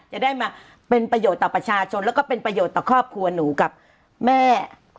จะได้มาเป็นประโยชน์ต่อประชาชนแล้วก็เป็นประโยชน์ต่อครอบครัวหนูกับแม่